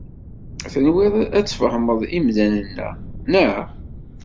Tenwiḍ ad fehmen yemdanen-a naɣ?